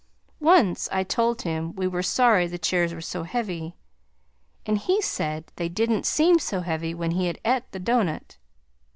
Once I told him we were sorry the chairs were so heavy, and he said THEY DIDN'T SEEM SO HEAVY WHEN HE HAD ET THE DOUGHNUT.